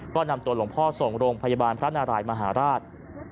ก็นำตัวหลวงพ่อส่งโรงพยาบาลพระนารายมหาราช